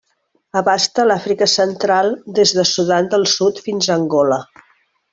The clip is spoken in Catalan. Abasta l'Àfrica central des de Sudan del Sud fins a Angola.